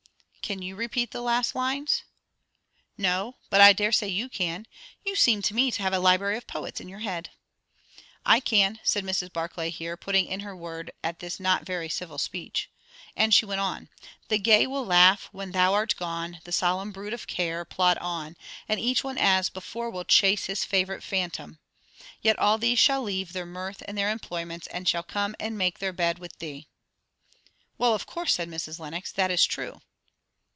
"Can you repeat the last lines?" "No; but I dare say you can. You seem to me to have a library of poets in your head." "I can," said Mrs. Barclay here, putting in her word at this not very civil speech. And she went on 'The gay will laugh When thou art gone, the solemn brood of care Plod on, and each one as before will chase His favourite phantom; yet all these shall leave Their mirth and their employments, and shall come And make their bed with thee.'" "Well, of course," said Mrs. Lenox. "That is true."